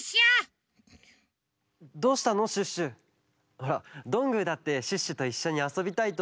ほらどんぐーだってシュッシュといっしょにあそびたいと。